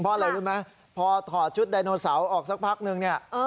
เพราะอะไรรู้ไหมพอถอดชุดไดโนเสาร์ออกสักพักนึงเนี่ย